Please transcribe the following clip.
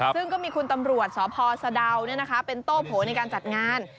ซึ่งก็มีคุณตำรวจสพสะดาวเป็นโต้โผล่ในการจัดงาน